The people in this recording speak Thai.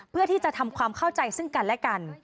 เพื่อที่จะทำความเข้าใจซึ่งกันและกัน